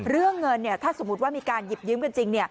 เรื่องเงินถ้าสมมุติว่ามีการหยิบยืมกันจริง